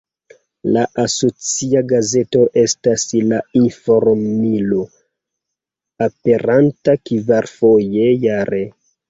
La asocia gazeto estas ""La informilo"", aperanta kvarfoje jare.